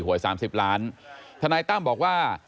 หวย๓๐ล้านทนายตั้มบอกว่า